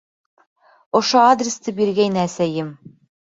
Ошо адресты биргәйне әсәйем.